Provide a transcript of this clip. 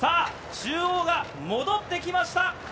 中央が戻ってきました。